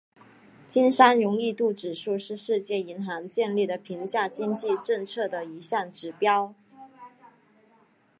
经商容易度指数是世界银行建立的评价经济政策的一项指标。